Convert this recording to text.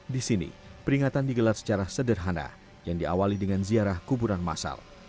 di sini peringatan digelar secara sederhana yang diawali dengan ziarah kuburan masal